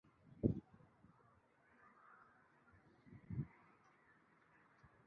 ya masaa ishirini na nne shoo kupigwa ndio inatoka barua kuwa eneo la